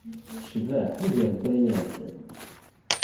Tecbeḥ, ugar n wayen iɛeddan.